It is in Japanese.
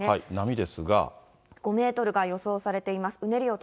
５メートルが予想されています。